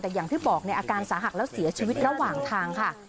แต่อย่างที่บอกในอาการสาหัสแล้วเสียชีวิตระหว่างทางค่ะ